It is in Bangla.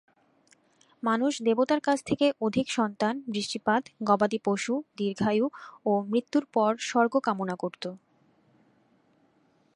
মানুষ দেবতার কাছ থেকে অধিক সন্তান, বৃষ্টিপাত, গবাদি পশু, দীর্ঘায়ু ও মৃত্যুর পর স্বর্গ কামনা করত।